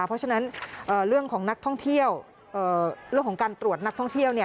เพราะฉะนั้นเรื่องของการตรวจนักท่องเที่ยวเนี่ย